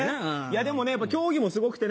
でもね競技もすごくて。